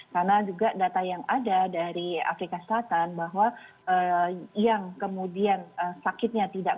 karena juga data yang ada dari afrika selatan bahwa yang kemudian sakitnya tidak